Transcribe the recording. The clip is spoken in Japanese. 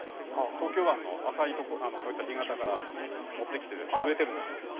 東京湾の浅いとこ干潟から持って来て植えてるんです。